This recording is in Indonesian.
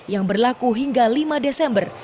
yang berlaku hingga lima desember